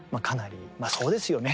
まあそうですよね。